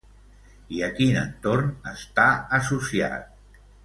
I a quin entorn està associat?